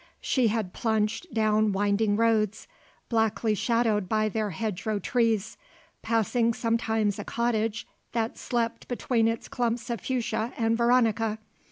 She had plunged down winding roads, blackly shadowed by their hedgerow trees, passing sometimes a cottage that slept between its clumps of fuchsia and veronica.